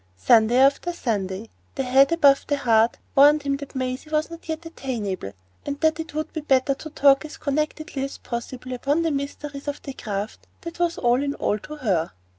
Sunday after Sunday, the head above the heart had warned him that Maisie was not yet attainable, and that it would be better to talk as connectedly as possible upon the mysteries of the craft that was all in all to her.